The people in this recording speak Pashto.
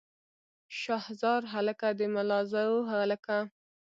شاه زار هلکه د ملازو هلکه.